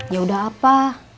ya udah apa